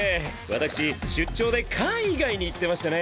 私出張で海外に行ってましてね